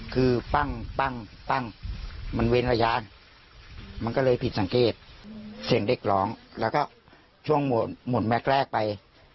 คือปั้งปั้งมันเว้นพยานมันก็เลยผิดสังเกตเสียงเด็กร้องแล้วก็ช่วงหมดแม็กซ์แรกไป